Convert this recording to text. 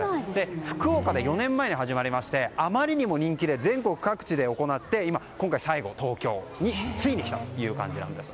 福岡で４年前に始まって人気で全国各地に広がって今回、最後、東京についに来たという感じなんです。